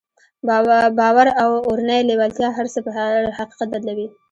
باور او اورنۍ لېوالتیا هر څه پر حقيقت بدلوي.